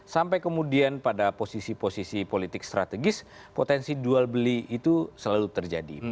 sampai kemudian pada posisi posisi politik strategis potensi jual beli itu selalu terjadi